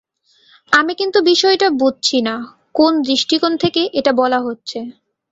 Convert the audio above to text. আমি কিন্তু বিষয়টা বুঝছি না, কোন দৃষ্টিকোণ থেকে এটা বলা হচ্ছে।